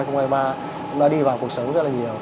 cũng đã đi vào cuộc sống rất là nhiều